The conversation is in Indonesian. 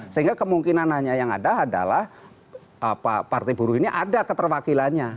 sehingga kemungkinan hanya yang ada adalah partai buruh ini ada keterwakilannya